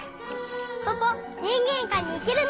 ポポにんげんかいにいけるね！